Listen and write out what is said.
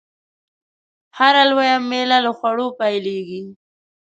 هره لويه میله له خوړو پیلېږي.